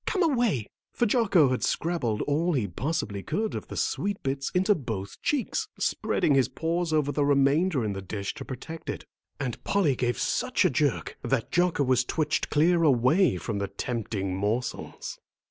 Come away," for Jocko had scrabbled all he possibly could of the sweet bits into both cheeks, spreading his paws over the remainder in the dish to protect it. And Polly gave such a jerk that Jocko was twitched clear away from the tempting morsels.